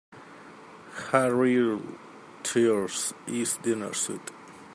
Harry'll tear his dinner suit.